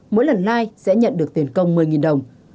mỗi lần live sẽ nhận được tiền công một mươi đồng